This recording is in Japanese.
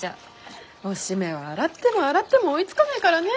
おしめは洗っても洗っても追いつかないからね。